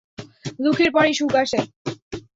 দুঃখের পরেই সুখ আসে।